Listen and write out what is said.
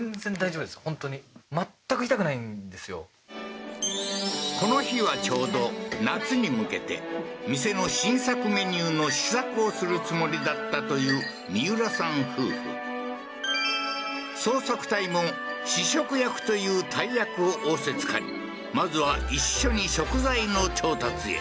本当にこの日はちょうど夏に向けて店の新作メニューの試作をするつもりだったという三浦さん夫婦捜索隊も試食役という大役を仰せつかりまずは一緒に食材の調達へ